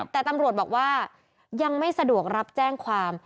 แต่ตำรวจบอกว่ายังไม่สะดวกรับแจ้งความ